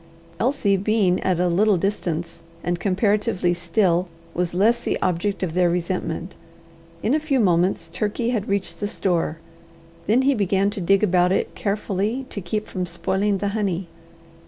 Elsie being at a little distance, and comparatively still, was less the object of their resentment. In a few moments Turkey had reached the store. Then he began to dig about it carefully to keep from spoiling the honey.